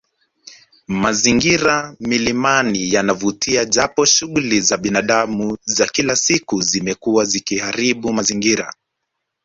Mazingira milimani yanavutia japo shughuli za binadamu za kila siku zimekuwa zikiharibu mazingira